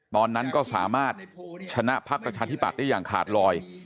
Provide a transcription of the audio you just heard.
ตอนนั้นก็สามารถชนะพักประชาธิปัตย์ได้อย่างขาดลอย